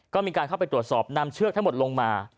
ก็มีการเข้าไปตรวจสอบนำเชือกทั้งหมดลงมา